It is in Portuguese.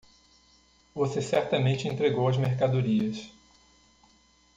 Você certamente entregou as mercadorias.